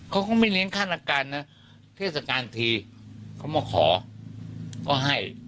เขาก็ไม่เลี้ยงฆาตการนะเทศกาลทีเขามาขอก็ให้